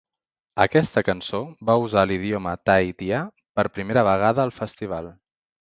Aquesta cançó va usar l'idioma tahitià per primera vegada al Festival.